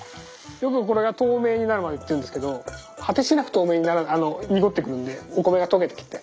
よくこれが透明になるまでっていうんですけど果てしなく透明にならあの濁ってくるんでお米が溶けてきて。